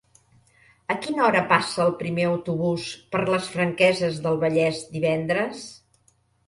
A quina hora passa el primer autobús per les Franqueses del Vallès divendres?